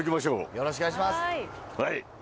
よろしくお願いします。